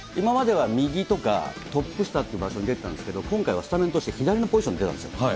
今までは右とか、トップ下という場所に出てたんですけれども、今回はスタメンとして左のポジションで出たんですよ。